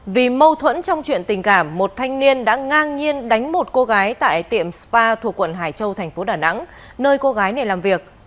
vì mâu thuẫn trong chuyện tình cảm một thanh niên đã ngang nhiên đánh một cô gái tại tiệm spa thuộc quận hải châu thành phố đà nẵng nơi cô gái này làm việc